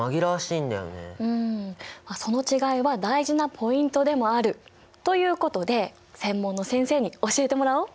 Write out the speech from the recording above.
うんまあその違いは大事なポイントでもある！ということで専門の先生に教えてもらおう。